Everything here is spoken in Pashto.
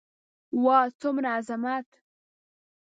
واه څومره عظمت.